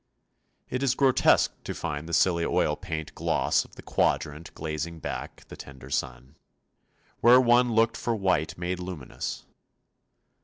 It is grotesque to find the silly oil paint gloss of the Quadrant glazing back the tender sun, where one looked for white made luminous.